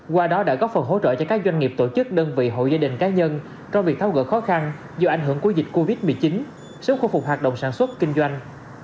qua đó đã góp phần hỗ trợ cho các doanh nghiệp tổ chức đơn vị hộ gia đình cá nhân trong việc tháo gỡ khó khăn do ảnh hưởng của dịch covid một mươi chín sớm khôi phục hoạt động sản xuất kinh doanh